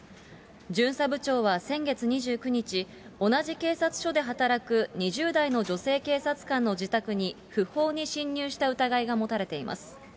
巡査部長は先月２９日、同じ警察署で働く２０代の女性警察官の自宅に不法に侵入した疑いが持たれています。